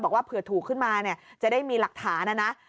บอกว่าเผื่อถูกขึ้นมาจะได้มีหลักฐานนะนะ